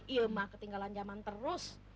ih ilmah ketinggalan zaman terus